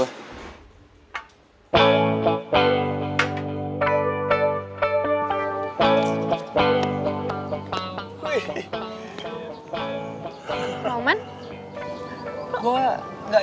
jadi jadi baru baru gua